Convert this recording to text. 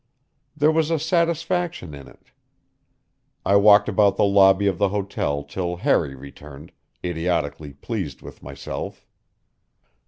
There was a satisfaction in it. I walked about the lobby of the hotel till Harry returned, idiotically pleased with myself.